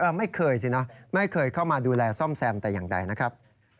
ไม่เคยสินะไม่เคยเข้ามาดูแลซ่อมแซมแต่อย่างใดนะครับ